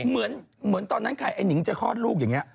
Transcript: เหมือนตอนนั้นใครไอ้นิงจะคลอดลูกอย่างนี้